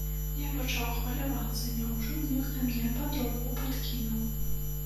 Я пачаў хвалявацца, няўжо нехта мне падробку падкінуў?